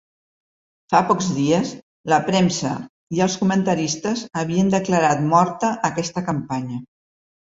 Fa pocs dies, la premsa i els comentaristes havien declarat morta aquesta campanya.